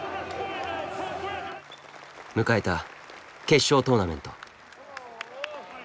迎えた決勝トーナメント。